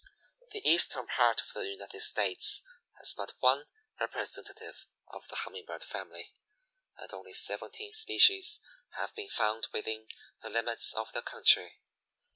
The eastern part of the United States has but one representative of the Humming bird family, and only seventeen species have been found within the limits of the country.